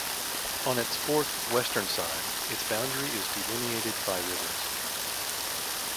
On its fourth, western side, its boundary is delineated by rivers.